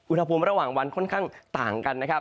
อุณหภูมิระหว่างวันค่อนข้างต่างกัน